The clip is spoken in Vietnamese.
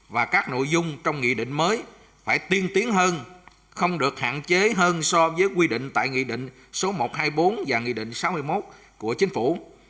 và các nội dung trong nghị định mới phải tiên tiến hơn không được hạn chế hơn so với quy định tại nghị định số một trăm hai mươi bốn và nghị định sáu mươi một của chính phủ